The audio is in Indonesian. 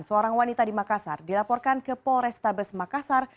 seorang wanita di makassar dilaporkan ke polrestabes makassar